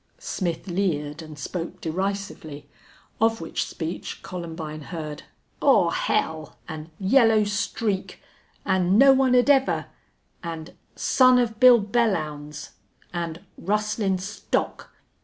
Smith leered and spoke derisively, of which speech Columbine heard, "Aw hell!" and "yellow streak," and "no one'd ever," and "son of Bill Belllounds," and "rustlin' stock."